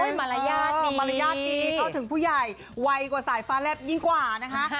มารยาทมีมารยาทดีเข้าถึงผู้ใหญ่ไวกว่าสายฟ้าแลบยิ่งกว่านะคะ